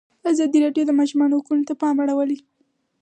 ازادي راډیو د د ماشومانو حقونه ته پام اړولی.